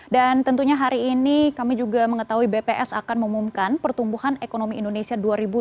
dan tentunya hari ini kami juga mengetahui bps akan mengumumkan pertumbuhan ekonomi indonesia dua ribu dua puluh dua